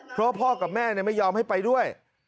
เพราะพ่อกับแม่ไม่ยอมให้ไปด้วย